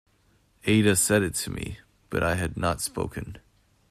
Ada said it to me, but I had not spoken.